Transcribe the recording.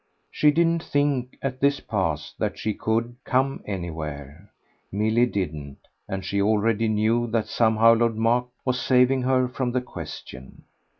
She didn't think, at this pass, that she could "come" anywhere Milly didn't; and she already knew that somehow Lord Mark was saving her from the question.